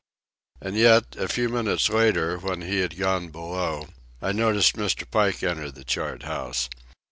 And yet, a few minutes later, when he had gone below, I noticed Mr. Pike enter the chart house.